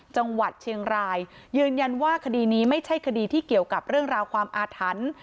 จังหวัดเชียงรายยืนยันว่าคดีนี้ไม่ใช่คดีที่เกี่ยวกับเรื่องราวความอาถรรพ์